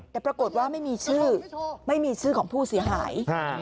แต่ปรากฏว่าไม่มีชื่อไม่มีชื่อของผู้เสียหาย